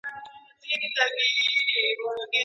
هم روزي کورونه هم مېلمه دی په پاللی